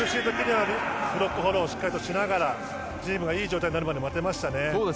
フォローをしっかりしながらチームがいい状態になるまで待てましたね。